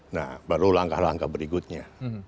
nah baru langkah langkah berikutnya